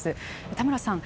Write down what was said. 田村さん